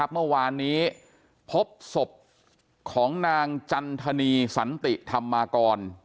เมื่อวานนี้พบศพของนางจันทนีสันติธรรมากร